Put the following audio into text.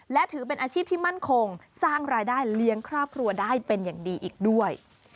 และถือเป็นอาชีพที่มั่นคงสร้างรายได้เลี้ยงครอบครัวได้เป็นอย่างดีอีกด้วย